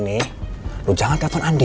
nih lu jangan telepon andi